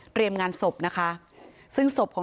เตรียมงานศพนะคะซึ่งศพของ